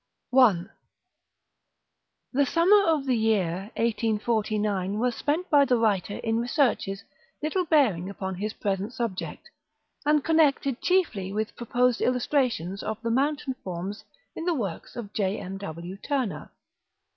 § I. The summer of the year 1849 was spent by the writer in researches little bearing upon his present subject, and connected chiefly with proposed illustrations of the mountain forms in the works of J. M. W. Turner.